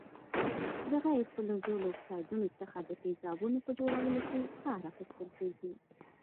د غیر فلزونو له اکسایډونو څخه د تیزابونو په جوړولو کې کار اخیستل کیږي.